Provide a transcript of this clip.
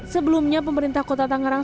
sebelumnya pemerintah kota tangerang